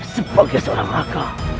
sebagai seorang raka